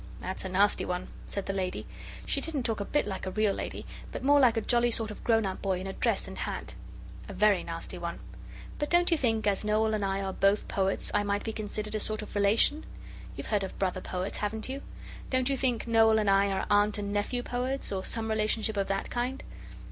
'That's a nasty one,' said the lady she didn't talk a bit like a real lady, but more like a jolly sort of grown up boy in a dress and hat 'a very nasty one! But don't you think as Noel and I are both poets I might be considered a sort of relation? You've heard of brother poets, haven't you? Don't you think Noel and I are aunt and nephew poets, or some relationship of that kind?